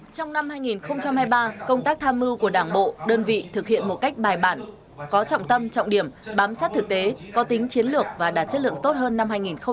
trong năm hai nghìn hai mươi ba công tác tham mưu của đảng bộ đơn vị thực hiện một cách bài bản có trọng tâm trọng điểm bám sát thực tế có tính chiến lược và đạt chất lượng tốt hơn năm hai nghìn hai mươi ba